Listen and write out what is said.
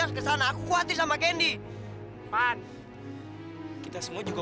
eh kamu jangan bangun dulu